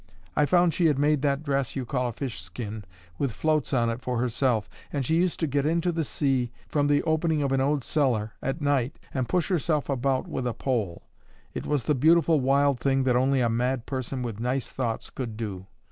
I found she had made that dress you call a fishskin with floats on it for herself, and she used to get into the sea, from the opening of an old cellar, at night, and push herself about with a pole. It was the beautiful wild thing that only a mad person with nice thoughts could do.